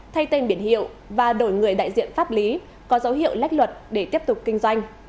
thay tên biển hiệu và đổi người đại diện pháp lý có dấu hiệu lách luật để tiếp tục kinh doanh